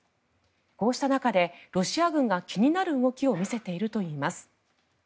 こうした中でロシア軍が気になる動きを見せているといいます。